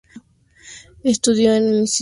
Estudió en el Instituto Comercial de Valdivia.